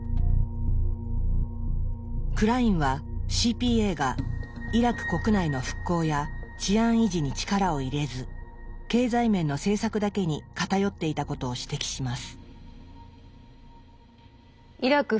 クラインはＣＰＡがイラク国内の復興や治安維持に力を入れず経済面の政策だけに偏っていたことを指摘します。